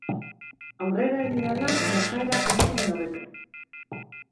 Aurrera egin ahala, gertaerak ez ziren hobetu.